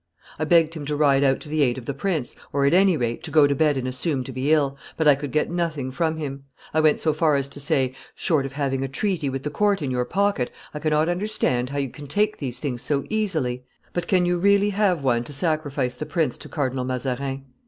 I begged him to ride out to the aid of the prince, or, at any rate, to go to bed and assume to be ill; but I could get nothing from him. I went so far as to say, 'Short of having a treaty with the court in your pocket, I cannot understand how you can take things so easily; but can you really have one to sacrifice the prince to Cardinal Mazarin?